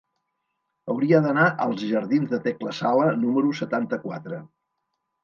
Hauria d'anar als jardins de Tecla Sala número setanta-quatre.